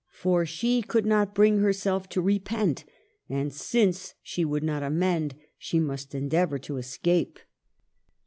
For she could not bring herself to repent; and since she would not amend, she must endeavor to escape.